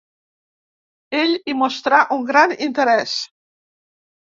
Ell hi mostrà un gran interès.